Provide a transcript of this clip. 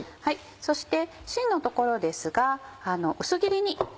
そしてしんのところですが薄切りに。